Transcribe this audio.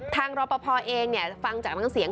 ทางรอปภเองฟังจากทั้งเสียง